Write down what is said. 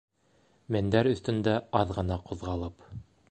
Мендәр өҫтөндә аҙ ғына ҡуҙғалып: